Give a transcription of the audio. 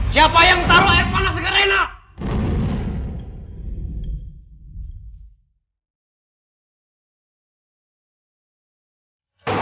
siapa yang taruh air panas di kerenak